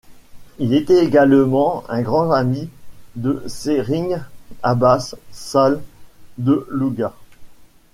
Il était également un grand ami de Serigne Abbas Sall de Louga.